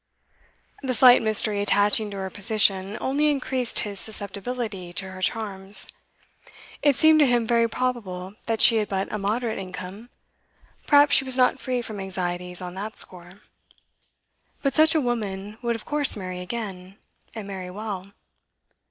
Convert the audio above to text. The slight mystery attaching to her position only increased his susceptibility to her charms. It seemed to him very probable that she had but a moderate income; perhaps she was not free from anxieties on that score. But such a woman would of course marry again, and marry well.